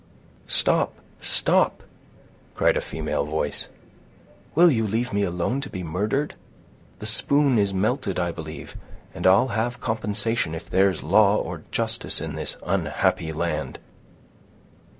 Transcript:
"Stop, stop," cried a female voice. "Will you leave me alone to be murdered? The spoon is melted, I believe, and I'll have compensation, if there's law or justice in this unhappy land."